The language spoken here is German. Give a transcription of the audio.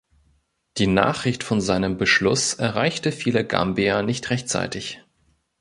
Die Nachricht von seinem Beschluss erreichte viele Gambier nicht rechtzeitig.